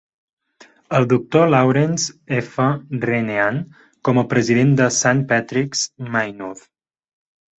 El doctor Laurence F. Renehan com a president de Saint Patrick's, Maynooth.